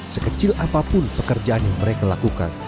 sekecil apapun pekerjaan yang mereka lakukan